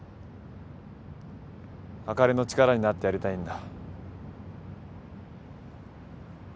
あかりの力になってやりたいんだ。